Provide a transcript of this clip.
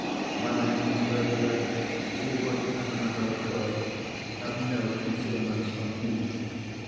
When I had converted her, she would, as a matter of course, have no concealments from Me.